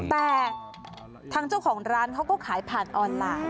แต่ทางเจ้าของร้านเขาก็ขายผ่านออนไลน์